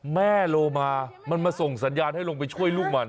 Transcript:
แม่โลมามันมาส่งสัญญาณให้ลงไปช่วยลูกมัน